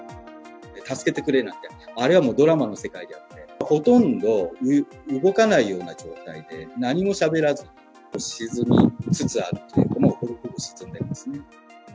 助けてくれなんて、あれはもう、ドラマの世界であって、ほとんど動かないような状態で、何もしゃべらず、沈みつつあるというか、もう、ほぼほぼ沈んでますね。